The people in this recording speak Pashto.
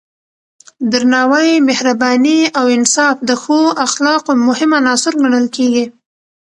درناوی، مهرباني او انصاف د ښو اخلاقو مهم عناصر ګڼل کېږي.